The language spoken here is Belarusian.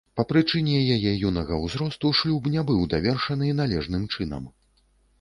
Па прычыне яе юнага ўзросту шлюб не быў давершаны належным чынам.